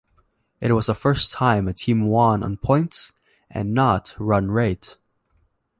It was a first time a team won on points and not Run Rate.